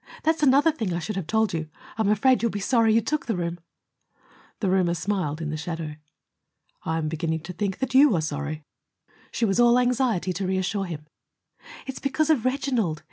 "That's another thing I should have told you. I'm afraid you'll be sorry you took the room." The roomer smiled in the shadow. "I'm beginning to think that YOU are sorry." She was all anxiety to reassure him: "It's because of Reginald.